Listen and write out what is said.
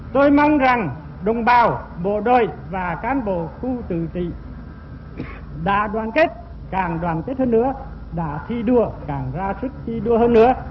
tôi mong rằng đồng bào bộ đôi và cán bộ khu tử tị đã đoàn kết càng đoàn kết hơn nữa đã thi đua càng ra sức thi đua hơn nữa